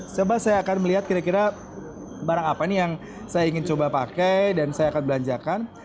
coba saya akan melihat kira kira barang apa nih yang saya ingin coba pakai dan saya akan belanjakan